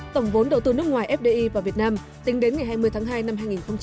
tổng vốn đầu tư nước ngoài fdi vào việt nam tính đến ngày hai mươi tháng hai năm hai nghìn hai mươi